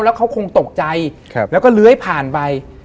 แล้วเขาคงตกใจแล้วก็เลื้อยผ่านไป